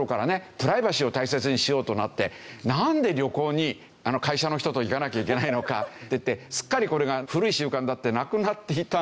プライバシーを大切にしようとなってなんで旅行に会社の人と行かなきゃいけないのかっていってすっかりこれが古い習慣だってなくなっていたんですけど。